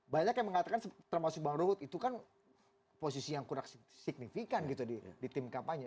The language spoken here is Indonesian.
banyak yang mengatakan termasuk bang ruhut itu kan posisi yang kurang signifikan gitu di tim kampanye